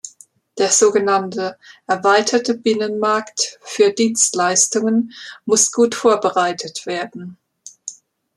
Der so genannte "erweiterte Binnenmarkt für Dienstleistungen" muss gut vorbereitet werden.